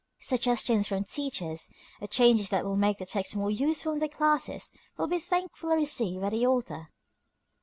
Suggestions, from teachers, of changes that will make the text more useful in their classes, will be thankfully received by the author.